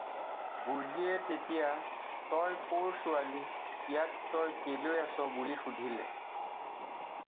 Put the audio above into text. "বুঢ়ীয়ে তেতিয়া "তই ক'ৰ ছোৱালী? ইয়াত তই কেলৈ আছ?" বুলি সুধিলে।"